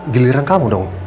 giliran kamu dong